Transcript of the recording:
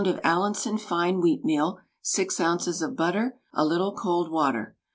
of Allinson fine wheatmeal, 6 oz. of butter, a little cold water.